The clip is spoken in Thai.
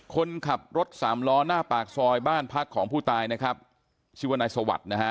คนขับรถสามล้อหน้าปากซอยบ้านพักของผู้ตายนะครับชื่อว่านายสวัสดิ์นะฮะ